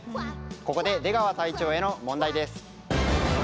ここで出川隊長への問題です。